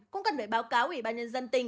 cũng cần phải báo cáo ủy ban nhân dân tỉnh